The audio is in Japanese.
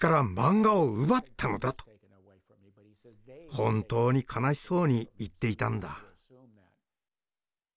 本当に悲しそうに言っていたんだ。